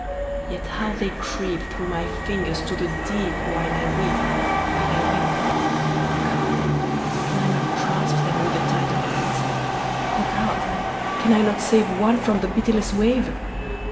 yet how they creep Through my fingers to the deep While I weep while I weep! O God! can I not grasp Them with a tighter clasp? O God! can I not save One from the pitiless wave?